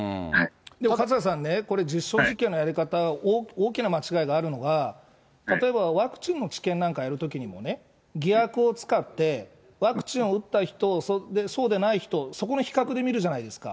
でも勝田さんね、これ、実証実験のやり方、大きな間違いがあるのが、例えば、ワクチンの治験なんかやるときにもね、偽薬を使って、ワクチンを打った人、そうでない人、そこの比較で見るじゃないですか。